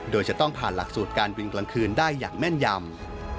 โดยจะต้องผ่านหลักสูตรการบินกลางคืนได้อย่างแม่นยำ